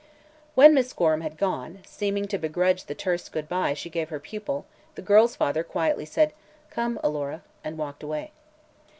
When Miss Gorham had gone, seeming to begrudge the terse "good bye" she gave her pupil, the girl's father quietly said: "Come, Alora," and walked away.